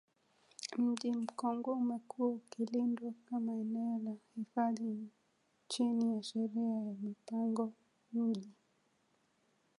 Mji Mkongwe umekuwa ukilindwa kama eneo la hifadhi chini ya Sheria ya Mipango Mji